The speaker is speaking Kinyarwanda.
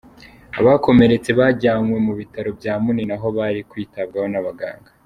Abakomeretse bajyanywe mu bitaro bya Munini aho bari kwitabwaho n’abaganga.